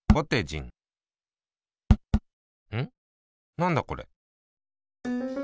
なんだこれ。